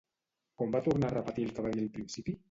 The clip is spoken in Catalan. Com va tornar a repetir el que va dir al principi?